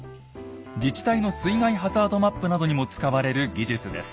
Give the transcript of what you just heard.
自治体の水害ハザードマップなどにも使われる技術です。